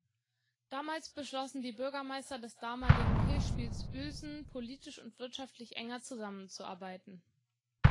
Damals beschlossen die Bürgermeister des damaligen Kirchspiels Uelsen politisch und wirtschaftlich enger zusammenzuarbeiten.